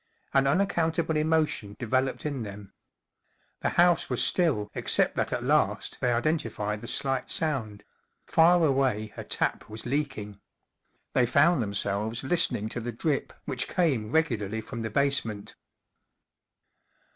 An unaccountable emotion developed in them. The house was still except that at last they identified the slight sound : far away a tap was leaking. They found themselves listening to the drip which came regularly from the basement.